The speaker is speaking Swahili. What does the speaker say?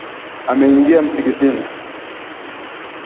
Ameingia msikitini